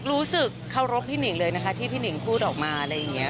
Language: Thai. รู้สึกเคารพพี่หนิงเลยนะคะที่พี่หนิงพูดออกมาอะไรอย่างนี้